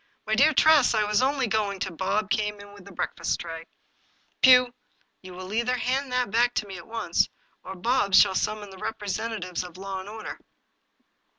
" My dear Tress, I was only going " Bob came in with the breakfast tray. " Pugh, you will either hand me that at once, or Bob shall summon the representatives of law and order."